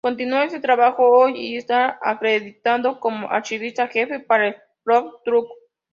Continúa este trabajo hoy, y está acreditado como archivista jefe para el Lloyd Trust.